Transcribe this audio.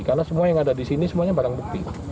karena semua yang ada di sini semuanya barang bukti